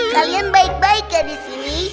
kalian baik baik ya disini